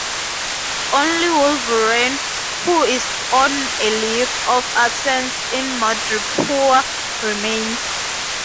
Only Wolverine, who is on a leave of absence in Madripoor, remains.